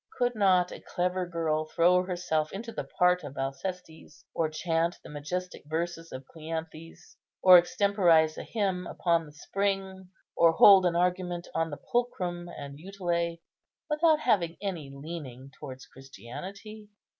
Could not a clever girl throw herself into the part of Alcestis, or chant the majestic verses of Cleanthes, or extemporize a hymn upon the spring, or hold an argument on the pulchrum and utile, without having any leaning towards Christianity?